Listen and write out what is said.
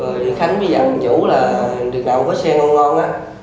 rồi nguyễn khánh mới dặn nguyễn hữu là được nào có xe ngon ngon